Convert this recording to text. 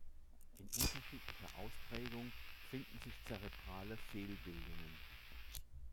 In unterschiedlicher Ausprägung finden sich zerebrale Fehlbildungen.